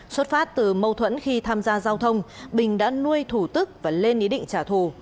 xuất phát từ mâu thuẫn khi tham gia giao thông bình đã nuôi thủ tức và lên ý định trả thù